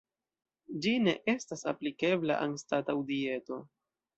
Ĝi ne estas aplikebla anstataŭ dieto.